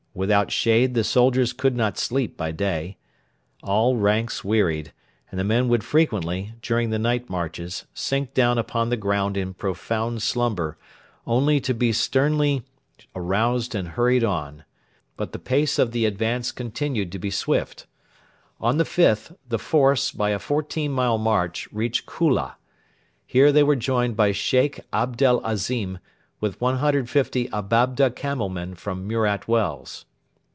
Without shade the soldiers could not sleep by day. All ranks wearied, and the men would frequently, during the night marches, sink down upon the ground in profound slumber, only to be sternly aroused and hurried on. But the pace of the advance continued to be swift. On the 5th, the force, by a fourteen mile march, reached Khula. Here they were joined by Sheikh Abdel Azim with 150 Ababda camel men from Murat Wells.